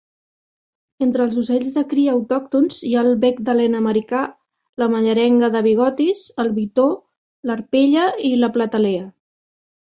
Entre els ocells de cria autòctons hi ha el bec d'alena americà, la mallerenga de bigotis, el bitó, l'arpella i la platalea.